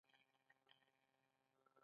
هلته فولاد د کار موضوع هم ګڼل کیږي.